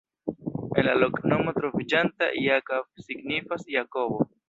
En la loknomo troviĝanta "Jakab" signifas: Jakobo.